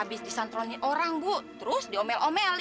bisa kak fadil